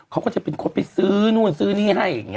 เขาก็จะเป็นคนไปซื้อนู่นซื้อนี่ให้